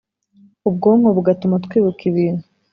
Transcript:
Ubwonko bugatuma twibuka ibintu .